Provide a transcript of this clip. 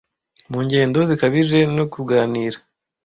mu ngendo zikabije no kuganira.